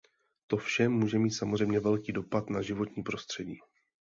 To vše může mít samozřejmě velký dopad na životní prostředí.